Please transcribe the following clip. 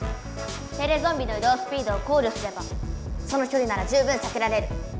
テレゾンビのいどうスピードを考慮すればそのきょりなら十分さけられる。